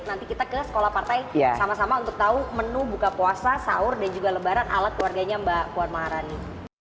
nanti kita ke sekolah partai sama sama untuk tahu menu buka puasa sahur dan juga lebaran alat keluarganya mbak puan maharani